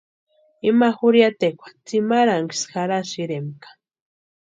Ima jurhiatekwa tsimarhanksï jarhasïrempka.